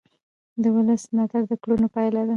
د ولس ملاتړ د کړنو پایله ده